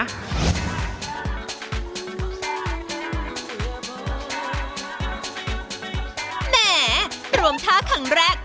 แหมรวมท่าครั้งแรก